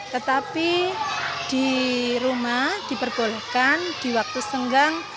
tetapi di rumah diperbolehkan di waktu senggang